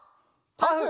「パフ」